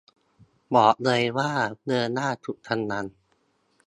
บอกเลยว่าเดินหน้าสุดกำลัง